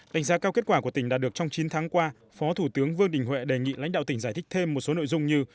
đánh giá cao kết quả của tỉnh đã được trong chín tháng qua phó thủ tướng vương đình huệ đề nghị lãnh đạo tỉnh giải thích thêm một số nội dung như